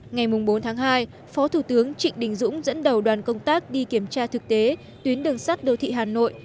ngày bốn tháng hai phó thủ tướng trịnh đình dũng dẫn đầu đoàn công tác đi kiểm tra thực tế tuyến đường sắt đô thị hà nội